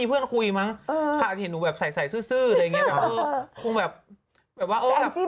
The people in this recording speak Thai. รู้เยอะแองจรี่